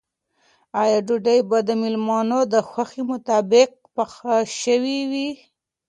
آیا ډوډۍ به د مېلمنو د خوښې مطابق پخه شوې وي؟